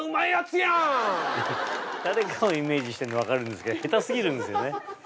誰かをイメージしてるの分かるんですけど下手過ぎるんですよね。